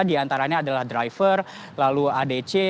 diantaranya adalah driver lalu adc